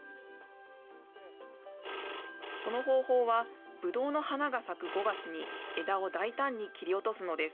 その方法は、ぶどうの花が咲く５月に枝を大胆に切り落とすのです。